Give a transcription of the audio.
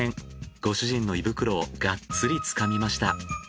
ご主人の胃袋をがっつりつかみました。